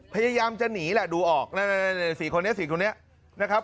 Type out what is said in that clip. พยายามจะหนีแหละดูออกนั่น๔คนนี้๔คนนี้นะครับ